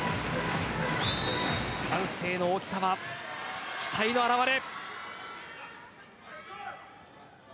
歓声の大きさは期待の表れ。